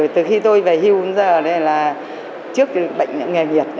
từ khi tôi về hưu đến giờ là trước bệnh nghèo nhiệt